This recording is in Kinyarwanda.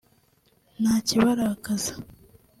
nta kibarakaza